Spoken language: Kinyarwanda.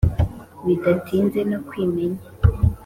bidatinze no kwimenya